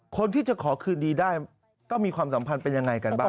คนที่จะขอคืนดีได้ต้องมีความสัมพันธ์เป็นยังไงกันบ้าง